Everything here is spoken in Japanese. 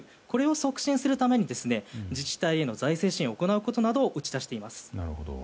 これを促進するために自治体への財政審を行うことなどを打ち出しています。